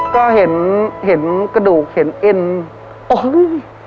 ก็เห็นกระดูกเห็นเอ็นแล้วก็นิ้วหัก๒นิ้ว